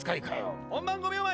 ・本番５秒前！